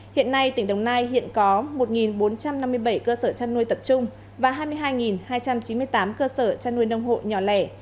hiện nay tỉnh đồng nai hiện có một bốn trăm năm mươi bảy cơ sở chăn nuôi tập trung và hai mươi hai hai trăm chín mươi tám cơ sở chăn nuôi nông hộ nhỏ lẻ